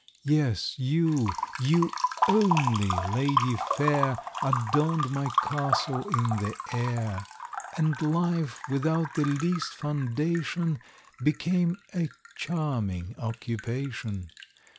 Yes, you, you only, Lady Fair, Adorn'd my Castle in the Air; And Life, without the least foundation, Became a charming occupation.